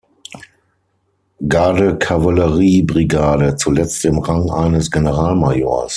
Garde-Kavallerie-Brigade, zuletzt im Rang eines Generalmajors.